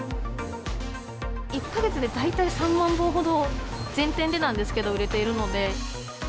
１か月で大体３万本ほど、全店でなんですけど、売れているので。